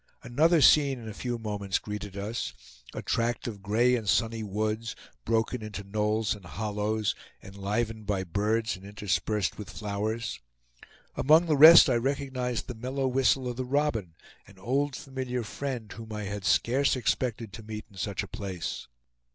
Another scene in a few moments greeted us; a tract of gray and sunny woods, broken into knolls and hollows, enlivened by birds and interspersed with flowers. Among the rest I recognized the mellow whistle of the robin, an old familiar friend whom I had scarce expected to meet in such a place.